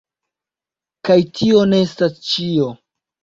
Kaj tio ne estas ĉio!